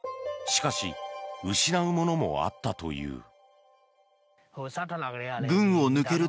しかし失うものもあったという。